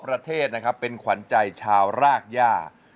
ประเทศนะครับเป็นขวัญใจชาวรากย่า